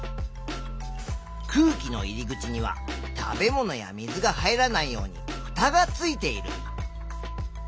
空気の入り口には食べ物や水が入らないようにふたがついている。